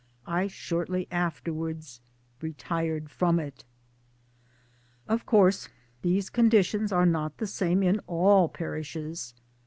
I shortly afterwards retired from it. Of course these conditions are not the same in all parishes.